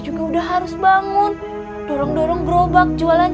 juga udah harus bangun dorong dorong gerobak jualan